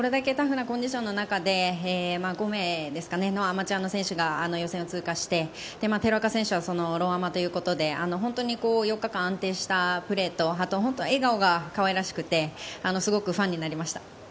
これだけタフなコンディションの中で５名ですかね、アマチュアの選手が予選を通過して寺岡選手はプロアマということで本当に４日間安定したプレーと笑顔がかわいらしくてすごくファンになりました。